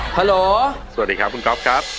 ฮัลโหลสวัสดีครับคุณก๊อฟครับ